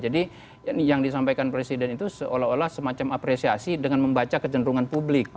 jadi yang disampaikan presiden itu seolah olah semacam apresiasi dengan membaca kecenderungan publik